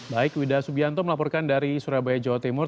baik wida subianto melaporkan dari surabaya jawa timur